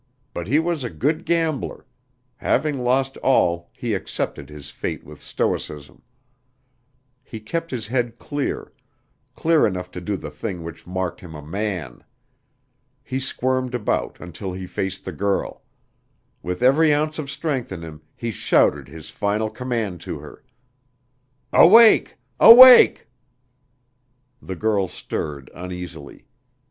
But he was a good gambler; having lost all, he accepted his fate with stoicism. He kept his head clear clear enough to do the thing which marked him a man. He squirmed about until he faced the girl. With every ounce of strength in him, he shouted his final command to her. "Awake! Awake!" The girl stirred uneasily.